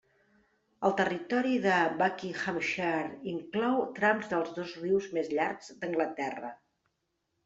El territori de Buckinghamshire inclou trams de dos dels rius més llargs d'Anglaterra.